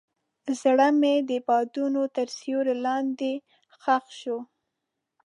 زړه مې د بادونو تر سیوري لاندې ښخ شو.